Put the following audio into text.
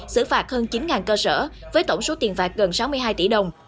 xử phạt hơn chín cơ sở với tổng số tiền phạt gần sáu mươi hai tỷ đồng